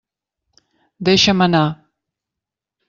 Deixa'm anar!